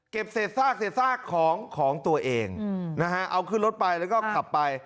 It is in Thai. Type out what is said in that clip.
เศษซากเศษซากของของตัวเองนะฮะเอาขึ้นรถไปแล้วก็ขับไป